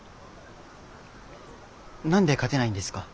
何で勝てないんですか？